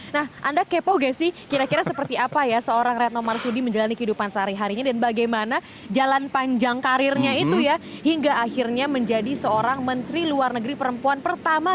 nah anda kepoh gak sih kira kira seperti apa ya seorang retno marsudi menjalani kehidupan sehari harinya dan bagaimana jalan panjang karirnya itu ya hingga akhirnya menjadi seorang menteri luar negeri perempuan pertama